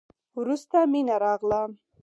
وروسته مينه راغله.